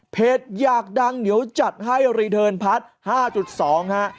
อยากดังเดี๋ยวจัดให้รีเทิร์นพัด๕๒ฮะ